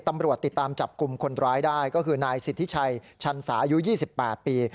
ตำรวจติดตามจับกลุ่มคนร้ายได้ก็คือนายสิทธิชัยชันสาอายุ๒๘ปี